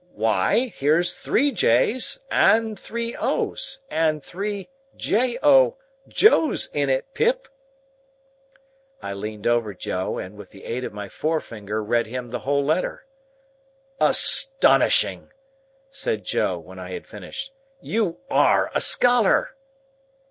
Why, here's three Js, and three Os, and three J O, Joes in it, Pip!" I leaned over Joe, and, with the aid of my forefinger read him the whole letter. "Astonishing!" said Joe, when I had finished. "You ARE a scholar."